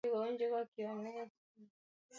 Ongeza kijiko cha chai cha mafuta ya kupikia